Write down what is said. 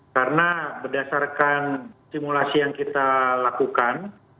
karena berdasarkan simulasi yang kita lakukan